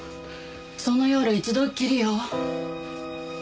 その夜一度きりよ。